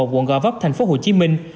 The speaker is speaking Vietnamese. quận gò vấp thành phố hồ chí minh